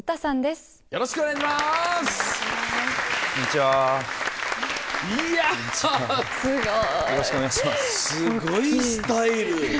すごいスタイル！